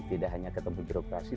tidak hanya ketemu birokrasi